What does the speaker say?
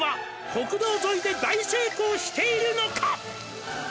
「国道沿いで大成功しているのか」